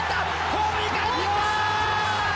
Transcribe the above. ホームにかえってきた！